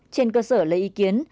trên cơ sở lấy ý kiến